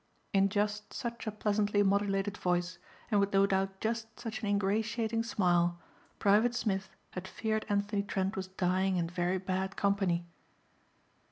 In just such a pleasantly modulated voice, and with no doubt just such an ingratiating smile Private Smith had feared Anthony Trent was dying in very bad company.